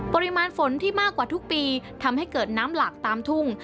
ปริมาณฝนที่มากกว่าทุกปีทำให้เกิดน้ำหลากตามทุ่ง